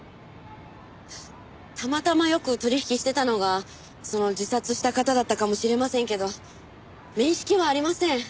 たまたまよく取引してたのがその自殺した方だったかもしれませんけど面識はありません。